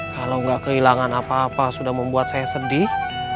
kalau nggak kehilangan apa apa sudah membuat saya sedih